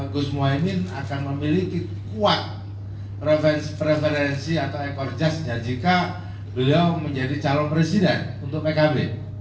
gus mohaimin akan memiliki kuat preferensi atau ekor jasnya jika beliau menjadi calon presiden untuk pkb